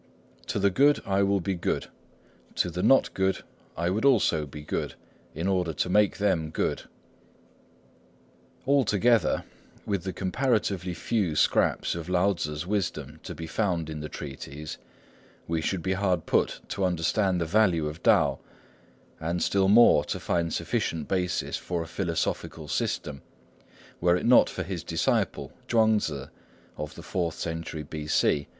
"To the good I would be good; to the not good I would also be good, in order to make them good." All together, with the comparatively few scraps of Lao Tzŭ's wisdom to be found in the treatise, we should be hard put to understand the value of Tao, and still more to find sufficient basis for a philosophical system, were it not for his disciple, Chuang Tzŭ, of the fourth century B.C.